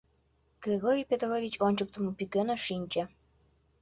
Григорий Петрович ончыктымо пӱкеныш шинче.